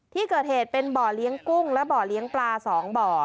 ที่เกิดเหตุเป็นบ่อเลี้ยงกุ้งและบ่อเลี้ยงปลา๒บ่อ